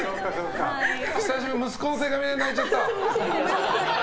久しぶりの息子の手紙で泣いちゃった？